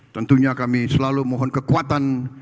tentunya kami selalu mohon kekuatan